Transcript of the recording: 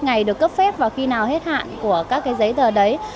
cái ngày được cấp phép và khi nào hết hạn của các cái giấy tờ đấy